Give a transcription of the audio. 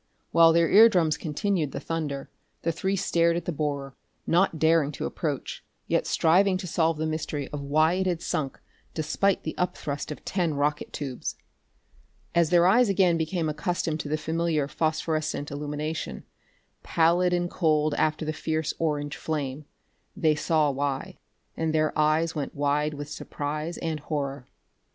While their ear drums continued the thunder, the three stared at the borer, not daring to approach, yet striving to solve the mystery of why it had sunk despite the up thrust of ten rocket tubes. As their eyes again became accustomed to the familiar phosphorescent illumination, pallid and cold after the fierce orange flame, they saw why and their eyes went wide with surprise and horror.